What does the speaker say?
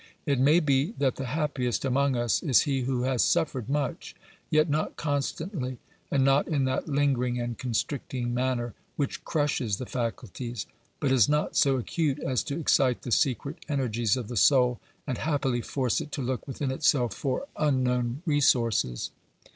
It may be that the happiest among us is he who has suffered much, yet not constantly, and not in that lingering and con stricting manner which crushes the faculties, but is not so acute as to excite the secret energies of the soul, and happily force it to look within itself for unknown resources.